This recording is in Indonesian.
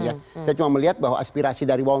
saya cuma melihat bahwa aspirasi dari bawah